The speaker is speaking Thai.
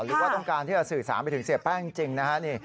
หรือว่าต้องการที่จะสื่อสารไปถึงเสียแป้งจริงนะฮะ